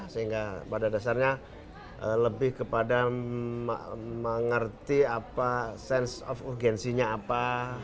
sehingga pada dasarnya lebih kepada mengerti apa sense of urgensinya apa